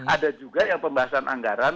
ada juga yang pembahasan anggaran